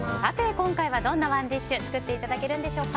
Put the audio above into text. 今回はどんなＯｎｅＤｉｓｈ作っていただけるのでしょうか。